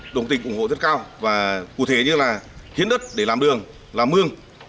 đồng tình ủng hộ rất cao và cụ thể như là hiến đất để làm đường làm mương